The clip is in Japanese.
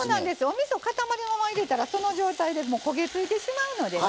おみそかたまりのまま入れたらその状態でもう焦げついてしまうのでね